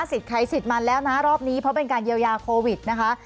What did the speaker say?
ใครสิทธิ์มันแล้วนะรอบนี้เพราะเป็นการเยียวยาโควิดนะคะ